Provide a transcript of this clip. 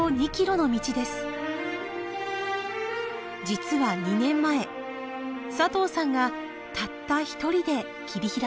実は２年前佐藤さんがたった一人で切り拓きました。